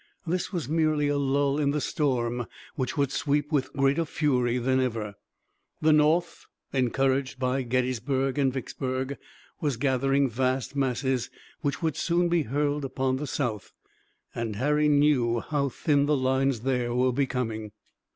This was merely a lull in the storm which would sweep with greater fury than ever. The North, encouraged by Gettysburg and Vicksburg, was gathering vast masses which would soon be hurled upon the South, and Harry knew how thin the lines there were becoming.